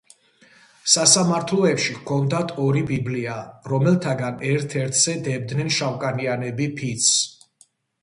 სასამართლოებში ჰქონდათ ორი ბიბლია, რომელთაგან ერთ-ერთზე დებდნენ შავკანიანები ფიცს.